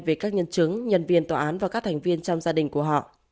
về các nhân chứng nhân viên tòa án và các thành viên trong gia đình của họ